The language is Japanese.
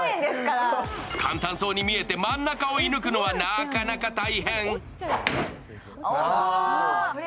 簡単そうに見えて、真ん中を射抜くのはなかなか大変。